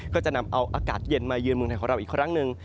ก็จะนำเอาอากาศเย็นมาเยือนเมืองไทยของเราอีกครั้งหนึ่ง